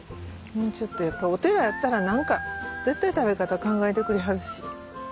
もうちょっとやっぱりお寺やったら何か絶対食べ方考えてくれはるし。